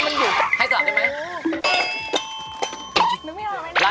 ไม่ใช่แล้วมันอยู่ภายสถานการณ์ได้มั้ย